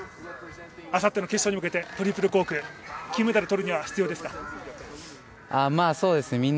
あさっての決勝に向けてトリプルコーク金メダルを取るためには必要ですか？